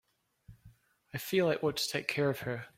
I feel I ought to take care of her.